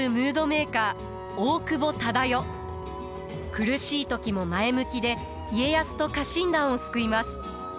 苦しい時も前向きで家康と家臣団を救います。